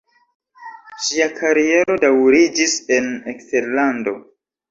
Ŝia kariero daŭriĝis en eksterlando.